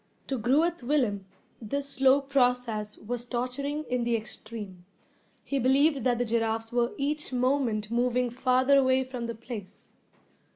To Groot Willem this slow process was torturing in the extreme. He believed that the giraffes were each moment moving farther away from the place.